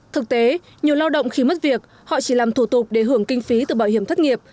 thực tế nhiều lao động khi mất việc họ chỉ làm thủ tục để hưởng kinh phí từ bảo hiểm thất nghiệp